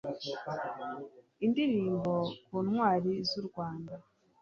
indirimbo ku ntwari z'u rwanda